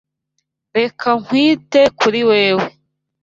Reka nkwite kuri wewe.